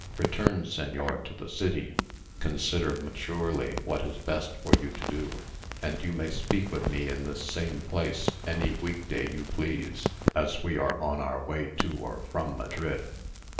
Return, señor, to the city, consider maturely what is best for you to do; and you may speak with me in this same place any week day you please, as we are on our way to or from Madrid."